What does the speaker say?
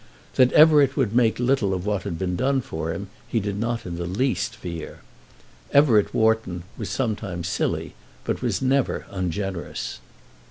That Everett would make little of what had been done for him he did not in the least fear. Everett Wharton was sometimes silly but was never ungenerous.